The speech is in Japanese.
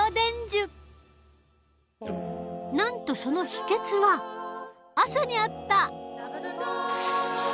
なんとそのヒケツは朝にあった。